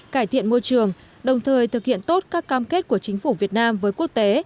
cải thiện môi trường đồng thời thực hiện tốt các cam kết của chính phủ việt nam với quốc tế